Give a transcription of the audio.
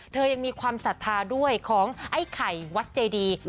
ยังมีความศรัทธาด้วยของไอ้ไข่วัดเจดี